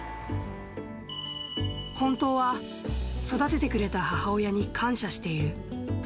本当は育ててくれた母親に感謝している。